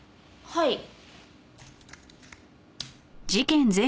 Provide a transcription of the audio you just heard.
はい。